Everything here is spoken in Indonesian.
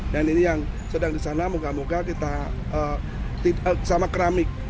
dan ini yang sedang di sana moga moga kita sama keramik